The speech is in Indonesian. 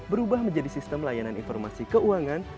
berubah menjadi sistem layanan informasi keuangan